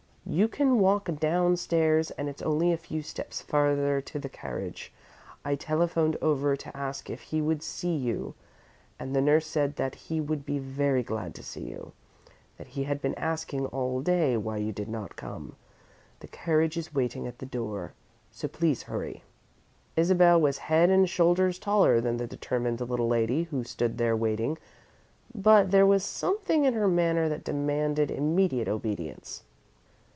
"You can walk down stairs and it's only a few steps farther to the carriage. I telephoned over to ask if he would see you, and the nurse said that he would be very glad to see you that he had been asking all day why you did not come. The carriage is waiting at the door, so please hurry." Isabel was head and shoulders taller than the determined little lady who stood there, waiting, but there was something in her manner that demanded immediate obedience.